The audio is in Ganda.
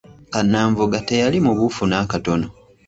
Kannanvuga teyali mubuufu n'akatono.